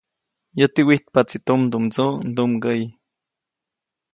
Yäti wijtpaʼtsi tumdumdsuʼ ndumgäʼyi.